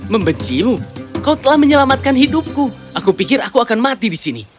membencimu kau telah menyelamatkan hidupku aku pikir aku akan mati di sini